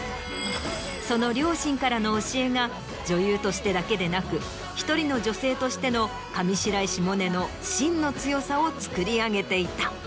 その両親からの教えが女優としてだけでなく１人の女性としての上白石萌音の芯の強さをつくり上げていた。